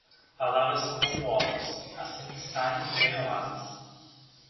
Palavras são como ovos: assim que saem, ganham asas.